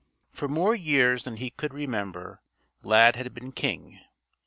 For more years than he could remember, Lad had been king.